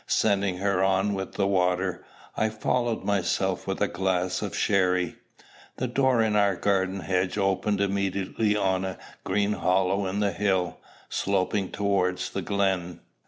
Sending her on with the water, I followed myself with a glass of sherry. The door in our garden hedge opened immediately on a green hollow in the hill, sloping towards the glen.